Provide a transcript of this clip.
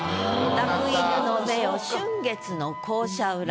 「抱く犬の目よ春月の校舎裏」。